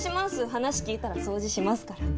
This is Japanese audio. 話聞いたら掃除しますから。